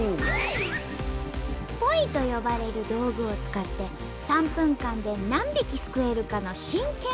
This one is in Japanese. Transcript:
「ポイ」と呼ばれる道具を使って３分間で何匹すくえるかの真剣勝負。